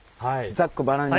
ざっくばらんに。